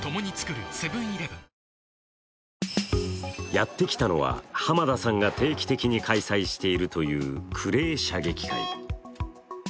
やってきたのは、浜田さんが定期的に開催しているというクレー射撃会。